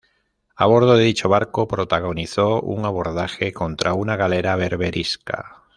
A bordo de dicho barco protagonizó un abordaje contra una galera berberisca.